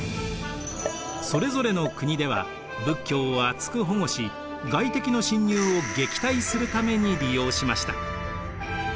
それぞれの国では仏教を厚く保護し外敵の侵入を撃退するために利用しました。